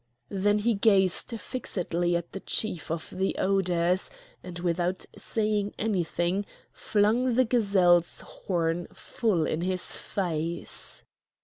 Then he gazed fixedly at the Chief of the Odours, and without saying anything flung the gazelle's horn full in his face.